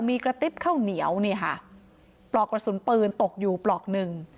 มีกระติ๊บข้าวเหนียวนี่ค่ะปลอกกระสุนปืนตกอยู่ปลอกหนึ่ง